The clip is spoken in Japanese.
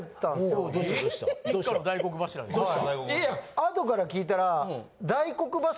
あとから聞いたら。